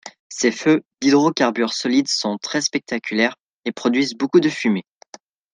Ces feux d’hydrocarbures solides sont très spectaculaires et produisent beaucoup de fumées.